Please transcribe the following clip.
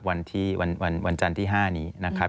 วันจันทร์ที่๕นี้นะครับ